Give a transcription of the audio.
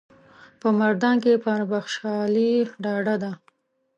په مردان کې پر بخشالي ډاډه ده.